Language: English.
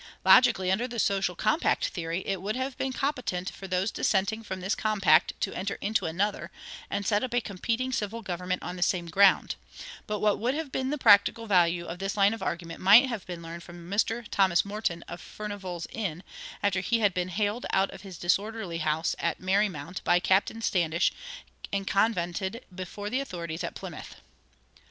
Logically, under the social compact theory, it would have been competent for those dissenting from this compact to enter into another, and set up a competing civil government on the same ground; but what would have been the practical value of this line of argument might have been learned from Mr. Thomas Morton, of Furnivall's Inn, after he had been haled out of his disorderly house at Merry Mount by Captain Standish, and convented before the authorities at Plymouth.